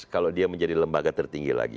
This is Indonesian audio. kalau dia menjadi lembaga tertinggi lagi